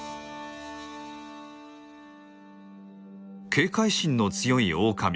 警戒心の強いオオカミ。